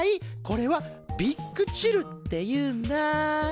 これはビッグチルっていうんだ。